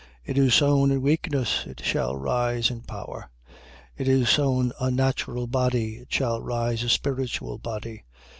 It is sown in weakness: it shall rise in power. 15:44. It is sown a natural body: it shall rise a spiritual body.